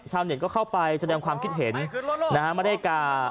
ชาวเน็ตก็เข้าไปแสดงความคิดเห็นนะครับ